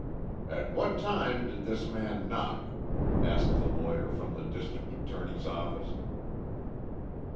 "At what time did this man knock?" asked the lawyer from the district attorney's office.